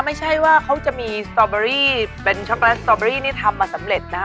ไม่ใช่ว่าเขาจะมีสตอเบอรี่เป็นช็อกโกแลตสตอเบอรี่นี่ทำมาสำเร็จนะฮะ